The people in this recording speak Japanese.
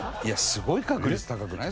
すごい確率高くない？